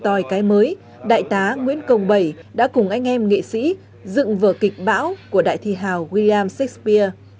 ngoài cái mới đại tá nguyễn công bảy đã cùng anh em nghệ sĩ dựng vở kịch bão của đại thi hào william shakespeare